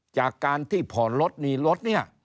จากการที่ผ่อนรถหนีรถเนี่ย